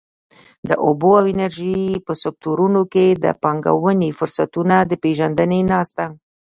د اوبو او انرژۍ په سکټورونو کې د پانګونې فرصتونو د پېژندنې ناسته.